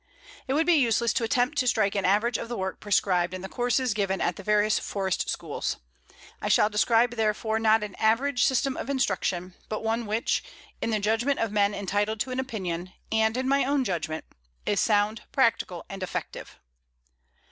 It would be useless to attempt to strike an average of the work prescribed and the courses given at the various forest schools. I shall describe, therefore, not an average system of instruction but one which, in the judgment of men entitled to an opinion, and in my own judgment, is sound, practical, and effective.